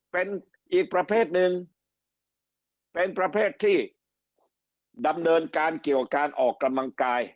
เป็นอีกประเภทหนึ่งเป็นประเภทที่ดำเนินการเกี่ยวกับการออกกำลังกาย